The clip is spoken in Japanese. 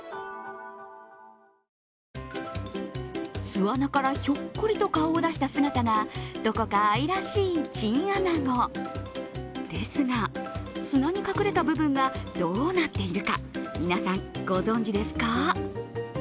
巣穴からひょっこりと顔を出した姿がどこか愛らしいチンアナゴですが、砂に隠れた部分がどうなっているか、皆さん、ご存じですか？